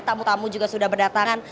tamu tamu juga sudah berdatangan